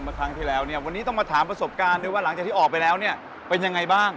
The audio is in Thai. ครั้งที่แล้วเนี่ยวันนี้ต้องมาถามประสบการณ์ด้วยว่าหลังจากที่ออกไปแล้วเนี่ยเป็นยังไงบ้าง